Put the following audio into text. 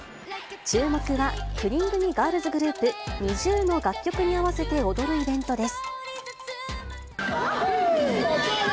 注目は、９人組ガールズグループ、ＮｉｚｉＵの楽曲に合わせて踊るイベントです。